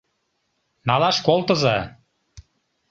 Налаш колтыза».